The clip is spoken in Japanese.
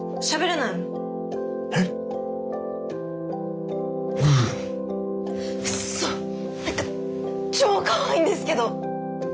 なんか超かわいいんですけど。